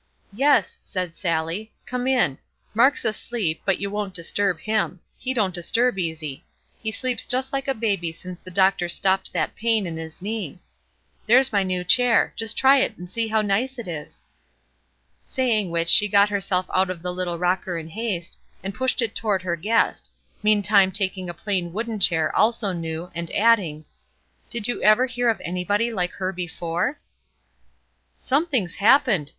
"Yes," said Sallie, "come in; Mark's asleep, but you won't disturb him; he don't disturb easy; he sleeps just like a baby since the doctor stopped that pain in his knee. There's my new chair; just try it and see how nice it is." Saying which, she got herself out of the little rocker in haste, and pushed it toward her guest, meantime taking a plain wooden chair, also new, and adding: "Did you ever hear of anybody like her before?" "Something's happened!"